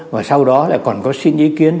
và sau đó là còn có xin ý kiến